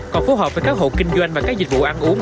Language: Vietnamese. còn phù hợp với các hộ kinh doanh và các dịch vụ ăn uống